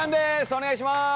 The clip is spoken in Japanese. お願いします！